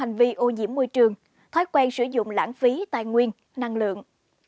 hành vi ô nhiễm môi trường thói quen sử dụng lãng phí tài nguyên năng lượng